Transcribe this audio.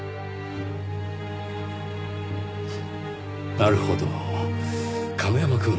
なるほど亀山くん。